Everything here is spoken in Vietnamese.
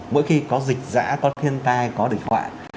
mỗi khi có dịch giã có thiên tai có địch họa